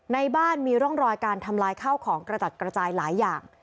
ในบ้านมีร่องรอยการทำลายข้าวของกระจัดกระจายหลายอย่าง